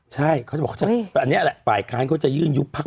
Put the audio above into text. ใช่เขาจะบอกอันนี้แหละฝ่ายค้านเขาจะยื่นยุบพัก